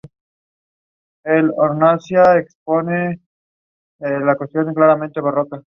Según Suetonio, se le enseñó a hilar y tejer.